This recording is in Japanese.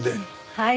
はい。